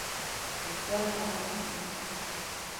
Jukwaa la fesibuku